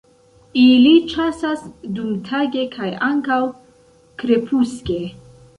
Ili ĉasas dumtage kaj ankaŭ krepuske.